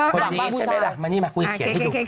คนนี้ใช่ไหมล่ะมานี่มาคุยเขียนให้ดู